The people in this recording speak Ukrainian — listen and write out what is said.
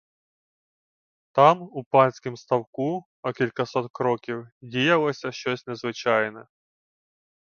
Там, у панськім ставку, о кількасот кроків, діялося щось незвичайне.